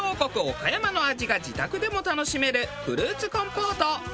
岡山の味が自宅でも楽しめるフルーツコンポート。